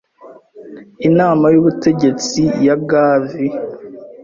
inama y'ubutegetsi ya Gavi